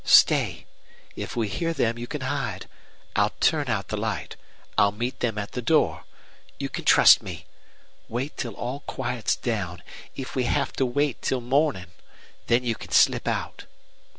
Stay. If we hear them you can hide. I'll turn out the light. I'll meet them at the door. You can trust me. Wait till all quiets down, if we have to wait till morning. Then you can slip out."